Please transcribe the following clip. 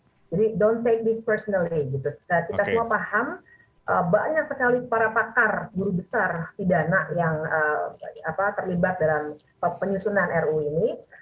jadi jangan mengambil ini secara pribadi kita semua paham banyak sekali para pakar guru besar pidana yang terlibat dalam penyusunan ruu ini